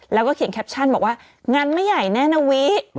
แล้วก็เขียนแคปชั่นบอกว่างานไม่ใหญ่แน่นะวิ